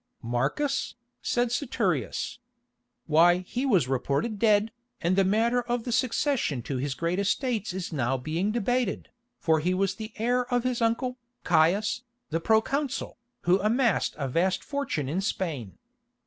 "Marcus," said Saturius. "Why, he was reported dead, and the matter of the succession to his great estates is now being debated, for he was the heir of his uncle, Caius, the pro consul, who amassed a vast fortune in Spain.